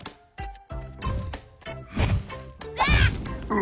あ！